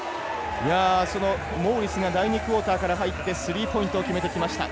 モウリスが第２クオーターから入って、スリーポイントを決めてきました。